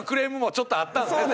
ちょっとあったんですね